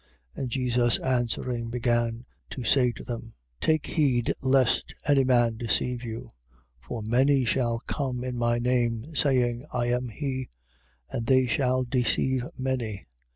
13:5. And Jesus answering, began to say to them: Take heed lest any man deceive you. 13:6. For many shall come in my name saying, I am he: and they shall deceive many.